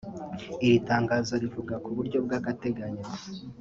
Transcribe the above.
Iri tangazo rivuga ko ku buryo bw’agateganyo